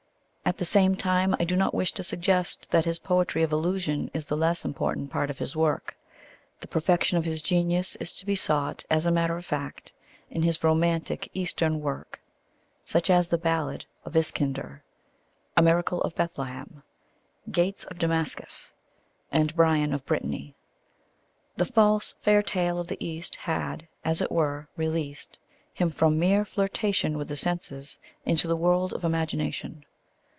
At the same time, I do not wish to suggest that his poetry of illusion is the less important part of his work. The perfection of his genius is to be sought, as a matter of fact, in his romantic eastern work, such as The Ballad of Iskander, A Miracle of Bethlehem, Gates of Damascus, and Bryan of Brittany. The false, fair tale of the East had, as it were, released; him from mere flirtation with the senses into the world of the imagination.